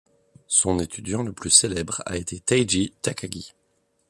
Son étudiant le plus célèbre a été Teiji Takagi.